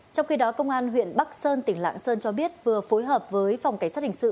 trong khi đó công an huyện bắc sơn tỉnh lạng sơn cho biết vừa phối hợp với phòng cảnh sát hình sự